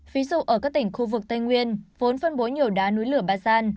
ví dụ ở các tỉnh khu vực tây nguyên vốn phân bố nhiều đá núi lửa ba gian